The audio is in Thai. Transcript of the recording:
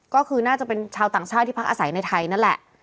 ก็คือน่าจะเป็นชาวต่างชาติที่พักอาศัยในไทยนั่นแหละ